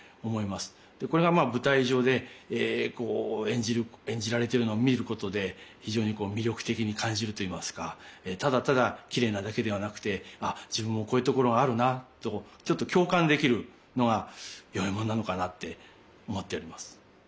これがまあ舞台上でこう演じられてるのを見ることで非常に魅力的に感じるといいますかただただきれいなだけではなくて「あっ自分もこういうところがあるな」とちょっと共感できるのが与右衛門なのかなって思っております。